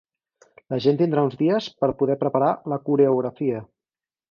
La gent tindrà uns dies per poder preparar la coreografia.